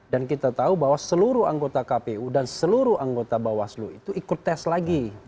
kita tahu bahwa seluruh anggota kpu dan seluruh anggota bawaslu itu ikut tes lagi